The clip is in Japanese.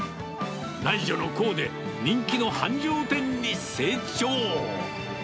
内助の功で人気の繁盛店に成長。